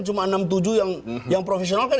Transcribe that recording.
cuma enam tujuh yang profesional kan